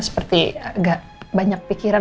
seperti enggak banyak pikiran